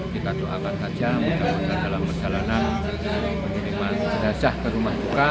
kita doakan saja untuk dalam perjalanan menerima jenazah ke rumah buka